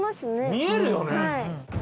見えるよね。